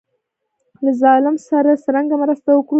له ظالم سره څرنګه مرسته وکړو.